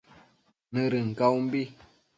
Nëdën caumbi